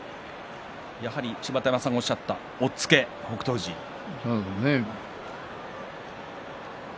やはり芝田山さんがおっしゃった押っつけ、北勝富士ですね。